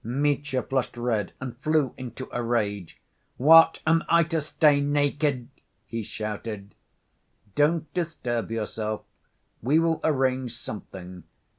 Mitya flushed red and flew into a rage. "What, am I to stay naked?" he shouted. "Don't disturb yourself. We will arrange something.